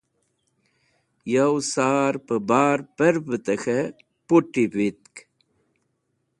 Yo sar pẽbar pervẽtẽ k̃hẽ put̃i vitk.